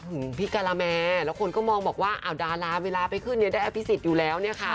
หึงพี่กาลแมแล้วคนก็มองบอกว่าม่าดาราเวลาไปขึ้นได้อภิสิทธิ์อยู่แล้ว